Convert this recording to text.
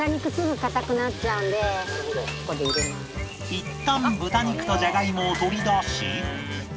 いったん豚肉とジャガイモを取り出し